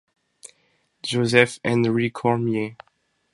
Joseph Henri Cormier.